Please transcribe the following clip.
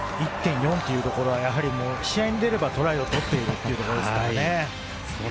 １．４ということは試合に出ればトライを取っているということですからね。